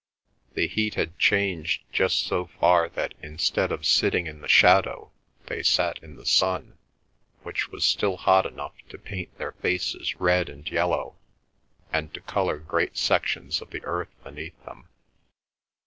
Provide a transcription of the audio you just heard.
The heat had changed just so far that instead of sitting in the shadow they sat in the sun, which was still hot enough to paint their faces red and yellow, and to colour great sections of the earth beneath them.